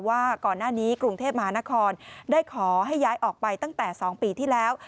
ว่าก่อนหน้านี้กรุงเทพมหานครได้ขอให้ย้ายออกไปตั้งแต่๒ปีที่แล้ว